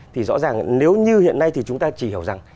thì rõ ràng nếu như hiện nay thì chúng ta chỉ hiểu rằng